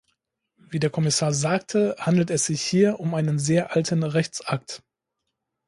Wie der Kommissar sagte, handelt es sich hier um einen sehr alten Rechtsakt.